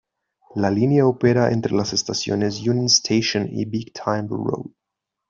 La línea opera entre las estaciones Union Station y Big Timber Road.